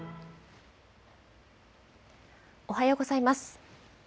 おはようございます。